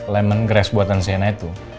lemon grass buatan sienna itu